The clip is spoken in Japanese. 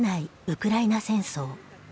ウクライナ戦争。